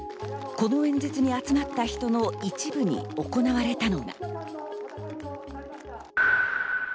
この演説に集まった人の一部に行われたのが。